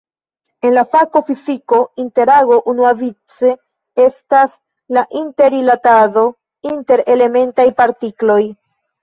En la fako fiziko "interago" unuavice estas la inter-rilatado inter elementaj partikloj.